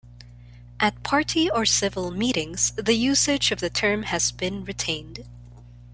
At party or civil meetings, the usage of the term has been retained.